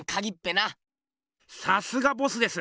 さすがボスです！